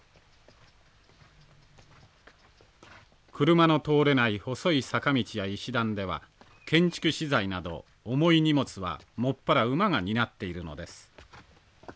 車の通れない細い坂道や石段では建築資材など重い荷物は専ら馬が担っているのです。